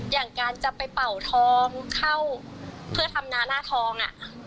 อย่างการจะไปเป่าทองเข้าเพื่อทำหน้าหน้าทอง